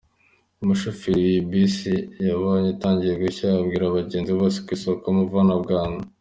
Umushoferi w’ iyi bisi yabonye itangiye gushya abwira abagenzi bose kuyisohokamo vuba na bwangu.